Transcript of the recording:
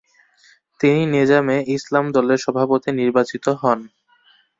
তিনি নেজামে ইসলাম দলের সভাপতি নির্বাচিত হন।